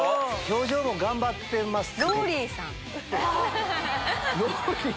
表情も頑張ってます。